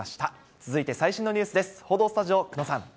続いて最新のニュースです。